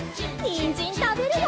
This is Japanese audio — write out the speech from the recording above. にんじんたべるよ！